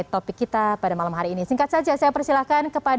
terima kasih pak